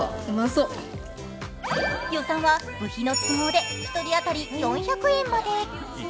予算は部費の都合で１人当たり４００円まで。